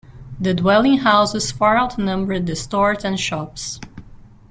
The dwelling houses far outnumbered the stores and shops.